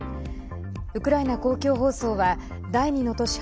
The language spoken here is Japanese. ウクライナ公共放送は第２の都市